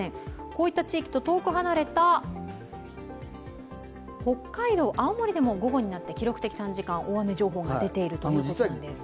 こういった地域と遠く離れた北海道、青森でも午後になって記録的短時間大雨情報が出ているということです。